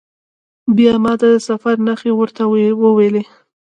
بیا ما د سفر نښې ورته وویلي.